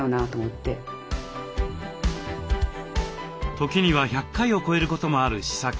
時には１００回を超えることもある試作。